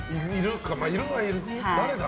いるはいる誰だ？